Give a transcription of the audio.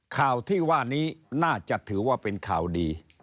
ข่าวที่ว่านี้น่าจะถือว่าเป็นข่าวดี